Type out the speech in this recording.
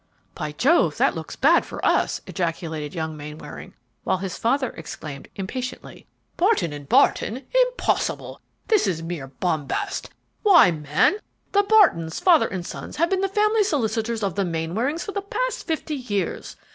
"By Jove, that looks bad for us!" ejaculated young Mainwaring, while his father exclaimed, impatiently, "Barton & Barton? Impossible! that is mere bombast! Why, man, the Bartons, father and sons, have been the family solicitors of the Mainwarings for the past fifty years.